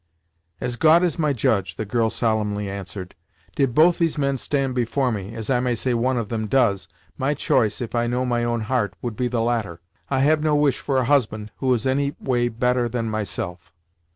"As God is my judge," the girl solemnly answered, "did both these men stand before me, as I may say one of them does, my choice, if I know my own heart, would be the latter. I have no wish for a husband who is any way better than myself."